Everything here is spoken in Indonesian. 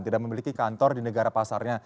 tidak memiliki kantor di negara pasarnya